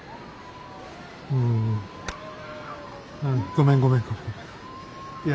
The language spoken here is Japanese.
ごめんごめんごめん。